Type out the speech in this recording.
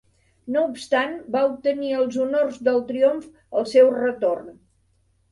No obstant va obtenir els honors del triomf al seu retorn.